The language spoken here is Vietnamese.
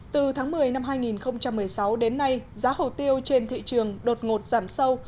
từ tháng một mươi năm hai nghìn một mươi sáu đến nay giá hồ tiêu trên thị trường đột ngột giảm sâu